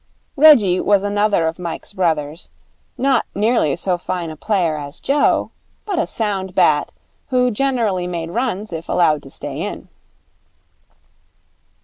Reggie was another of Mike's brothers, not nearly so fine a player as Joe, but a sound bat, who generally made runs if allowed to stay in.